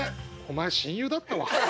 お前親友だったわ」。